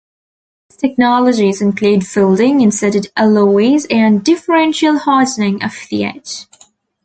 These technologies include folding, inserted alloys, and differential hardening of the edge.